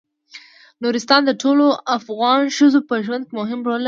نورستان د ټولو افغان ښځو په ژوند کې مهم رول لري.